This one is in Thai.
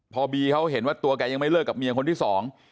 พอบีเขาเห็นว่าตัวแกยังไม่เลิกกับเมียคนที่สอง